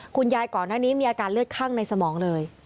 ก่อนหน้านี้มีอาการเลือดข้างในสมองเลย